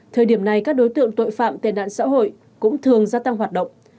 thời điểm này các đối tượng tội phạm tệ nạn xã hội cũng thường gia tăng hoạt động